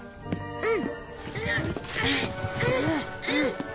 うん。